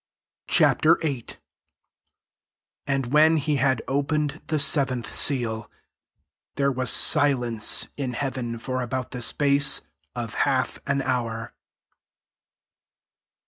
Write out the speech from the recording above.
'' Ch. VIII. 1 And when he had opened the seventh seal, there was silence in heaven for about the space of half an hour.